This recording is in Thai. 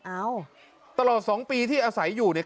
อ้าวตลอดสองปีที่อศัยอยู่เนี่ย